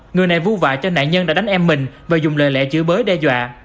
người này vu vạ cho nạn nhân đã đánh em mình và dùng lời lệ chữ bới đe dọa